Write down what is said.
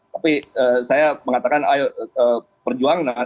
tapi saya mengatakan ayo perjuangan